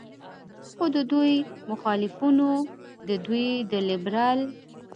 خو د دوي مخالفينو د دوي د لبرل